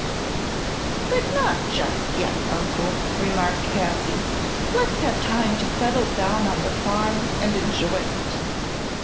"But not just yet, Uncle," remarked Patsy. "Let's have time to settle down on the farm and enjoy it.